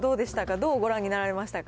どうご覧になられましたか？